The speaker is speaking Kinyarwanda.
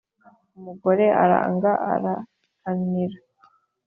umugore aranga arabanira